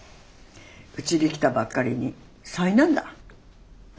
うちに来たばっかりに災難だ。